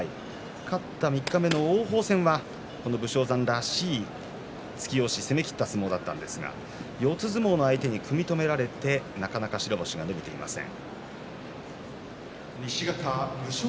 勝った三日目の王鵬戦はこの武将山らしい突き押し攻めきった相撲だったんですが四つ相撲の相手に組み止められてなかなか白星が伸びていません。